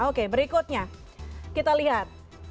oke berikutnya kita lihat